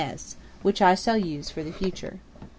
S. which I shall use for the future.